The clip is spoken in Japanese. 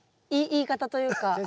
言い方というか。